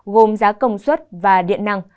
gồm giá công suất và điện năng